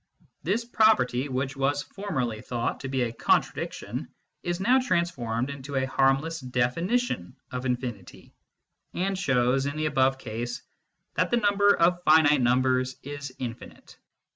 This property, which was formerly thought to be a contradiction, is now transformed into a harmless definition of infinity, and shows, in the above case, that the number of finite numbers is infinite.